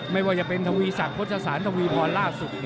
ไม่ว่าจะเป็นทวีสังพติศาสตร์ทวีพรล่าศุกร์